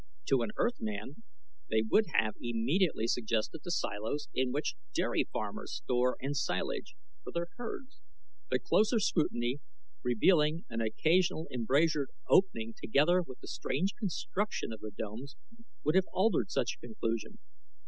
To an Earth man they would have immediately suggested the silos in which dairy farmers store ensilage for their herds; but closer scrutiny, revealing an occasional embrasured opening together with the strange construction of the domes, would have altered such a conclusion.